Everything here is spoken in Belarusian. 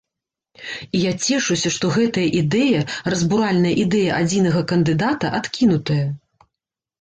І я цешуся, што гэтая ідэя, разбуральная ідэя адзінага кандыдата, адкінутая.